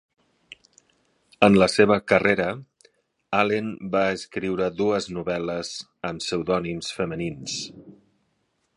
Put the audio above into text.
En la seva carrera, Allen va escriure dues novel·les amb pseudònims femenins.